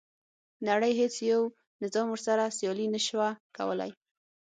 نړۍ هیڅ یو نظام ورسره سیالي نه شوه کولای.